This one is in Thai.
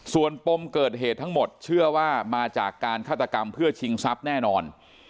ส่วนปมเกิดเหตุทั้งหมดเชื่อว่ามาจากการฆาตกรรมเพื่อชิงทรัพย์แน่นอน